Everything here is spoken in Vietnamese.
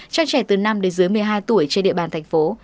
cho trẻ từ năm đến dưới một mươi hai tuổi trên địa bàn thành phố